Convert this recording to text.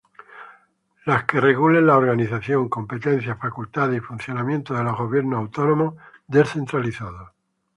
Las que regulen la organización, competencias, facultades y funcionamiento de los gobiernos autónomos descentralizados.